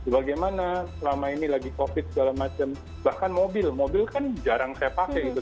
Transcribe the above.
bagaimana selama ini lagi covid segala macam bahkan mobil mobil kan jarang saya pakai gitu